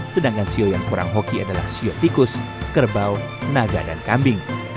sedangkan sio yang kurang hoki adalah siok tikus kerbau naga dan kambing